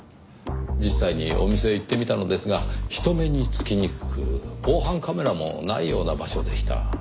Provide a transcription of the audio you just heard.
実際にお店へ行ってみたのですが人目につきにくく防犯カメラもないような場所でした。